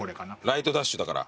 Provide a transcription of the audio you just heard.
ライトダッシュだから。